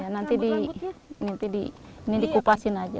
nanti dikupasin aja